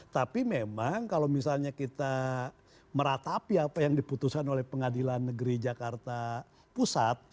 tapi memang kalau misalnya kita meratapi apa yang diputuskan oleh pengadilan negeri jakarta pusat